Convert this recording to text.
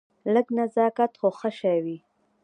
لږ نزاکت خو ښه شی وي.